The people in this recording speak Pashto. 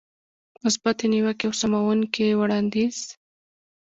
مثبتې نيوکې او سموونکی وړاندیز.